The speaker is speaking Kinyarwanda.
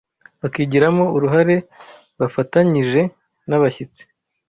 bakigiramo uruhare bafatanyije n’abashyitsi